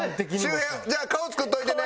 周平じゃあ顔作っといてね。